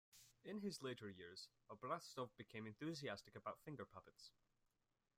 In his later years, Obraztsov became enthusiastic about finger puppets.